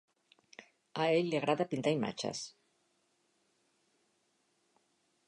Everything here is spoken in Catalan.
A ell li agrada pintar imatges.